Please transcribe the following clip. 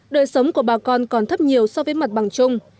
đời sống của bà con còn thấp nhiều so với mặt bằng chung